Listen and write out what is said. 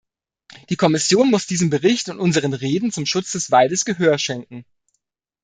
Die Kommission muss diesem Bericht und unseren Reden zum Schutz des Waldes Gehör schenken.